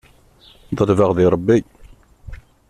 Ḍelbeɣ di Ṛebbi.